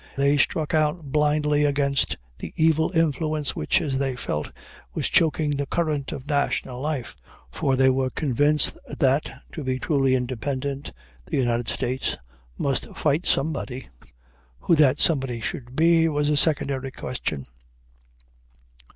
They struck out blindly against the evil influence which, as they felt, was choking the current of national life, for they were convinced that, to be truly independent, the United States must fight somebody. Who that somebody should be was a secondary question.